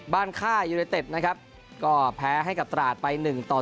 บ้านค่ายุนิเต็ปนะครับก็แพ้ให้กับตราดไป๑๔